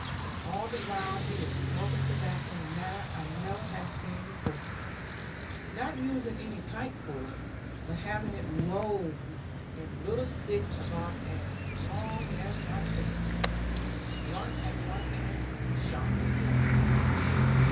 And all the while he was smoking tobacco in a manner I never had seen before, not using any pipe for it, but having it rolled in little sticks about as long as my finger, blunt at one end and sharp at the other.